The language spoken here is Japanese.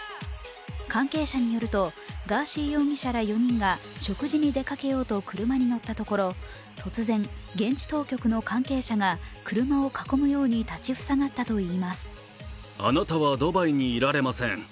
関係者によるとガーシーよぎしら４人が食事に出かけようと車に乗ったところ、突然、現地当局の関係者が車を囲むように立ち塞がったといいます。